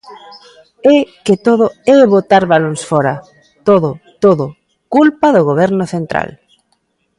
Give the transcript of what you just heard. É que todo é botar balóns fóra; todo, todo, culpa do Goberno central.